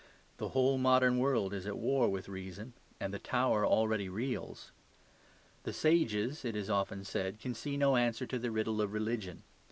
The whole modern world is at war with reason; and the tower already reels. The sages, it is often said, can see no answer to the riddle of religion.